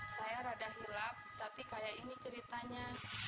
saya rada hilap tapi kayak ini ceritanya